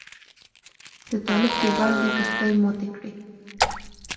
د طالب کيبل دې پښتۍ ماتې کړې.